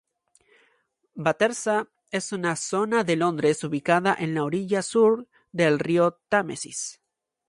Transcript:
Battersea es una zona de Londres ubicada en la orilla sur del río Támesis.